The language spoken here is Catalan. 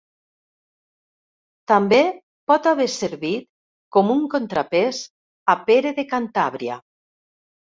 També pot haver servit com un contrapès a Pere de Cantàbria.